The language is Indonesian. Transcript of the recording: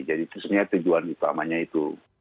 jadi itu sebenarnya tujuan utamanya itu